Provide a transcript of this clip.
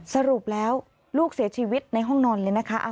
สรุปแล้วลูกเสียชีวิตในห้องนอนเลยนะคะ